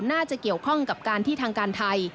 น่าจะเกี่ยวข้องกับการที่ทางการไทย